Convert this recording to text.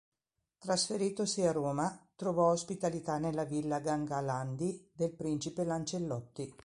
Trasferitosi a Roma, trovò ospitalità nella Villa Gangalandi del principe Lancellotti.